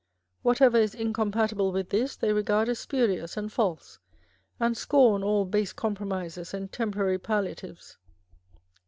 Whatever is incompatible with this, they regard as spurious and false, and scorn all base compromises and temporary palliatives.